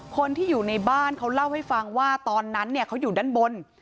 คนที่อยู่ในบ้านเขาเล่าให้ฟังว่าตอนนั้นเขาอยู่ด้านบน